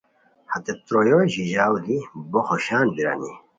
ہتے تروئے ژیژاؤ دی ہو خوش بیرانی